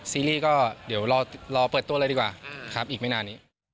ซีรีส์ก็เดี๋ยวรอเปิดตัวเลยดีกว่าครับอีกไม่นานนี้